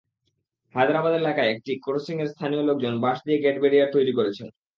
হায়দরাবাদ এলাকায় একটি ক্রসিংয়ে স্থানীয় লোকজন বাঁশ দিয়ে গেট ব্যারিয়ার তৈরি করেছেন।